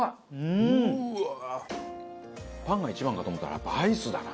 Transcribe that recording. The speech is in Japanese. パンが一番かと思ったらやっぱアイスだな。